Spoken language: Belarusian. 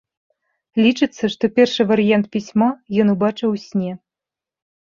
Лічыцца, што першы варыянт пісьма ён убачыў у сне.